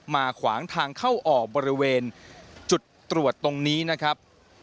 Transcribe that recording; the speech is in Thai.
ขวางทางเข้าออกบริเวณจุดตรวจตรงนี้นะครับ